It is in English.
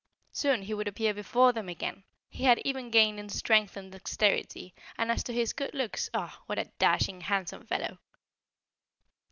Soon he would appear before them again. He had even gained in strength and dexterity; and as to his good looks ah! what a dashing, handsome fellow!